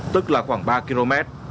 tức là khoảng ba km